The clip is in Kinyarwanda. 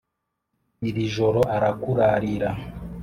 iri joro arakurarira